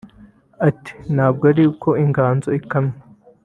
Ati “Ntabwo ari uko inganzo ikamye